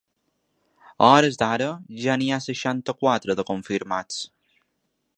A hores d’ara ja n’hi ha seixanta-quatre de confirmats.